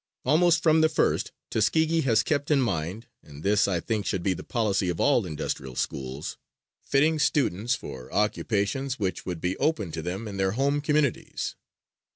Almost from the first Tuskegee has kept in mind and this I think should be the policy of all industrial schools fitting students for occupations which would be open to them in their home communities.